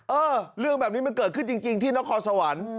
เออเรื่องแบบนี้มันเกิดขึ้นจริงที่นครสวรรค์